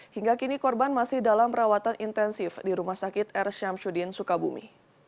hingga kini korban masih dalam perawatan intensif di rumah sakit r syamsuddin sukabumi